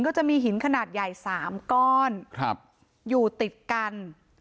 ก็จะมีหินขนาดใหญ่๓ก้อนอยู่ติดกัน